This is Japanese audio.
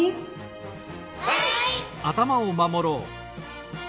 はい！